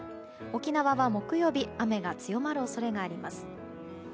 沖縄は木曜日雨が強まる恐れがあります。